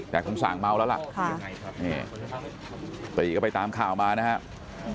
แต่คงสั่งเมาแล้วล่ะนี่ตีก็ไปตามข่าวมานะครับ